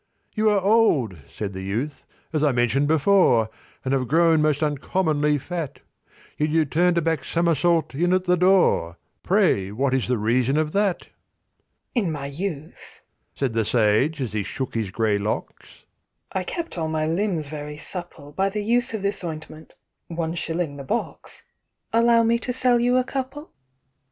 "You are old," said the youth, "as I mentioned before, And have grown most uncommonly fat; Yet you turned a back somersault in at the door— Pray, what is the reason of that?" "In my youth," said the sage, as he shook his grey locks, "I kept all my limbs very supple By the use of this ointment—one shilling the box— Allow me to sell you a couple?"